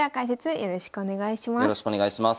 よろしくお願いします。